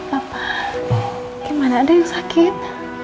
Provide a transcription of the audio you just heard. apa gimana ada yang sakit